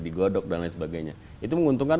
digodok dan lain sebagainya itu menguntungkan